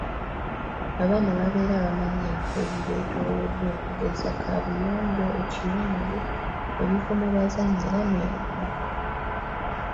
"Abaana babeera bamanyi ebifo ebibeetoolodde okugeza, kaabuyonjo, ekiyungu, ebifo mwe bazannyira n’ebirala."